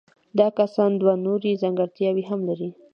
دا کسان دوه نورې ځانګړتیاوې هم لري.